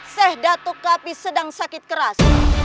sheikh datuk kapi sedang sakit keras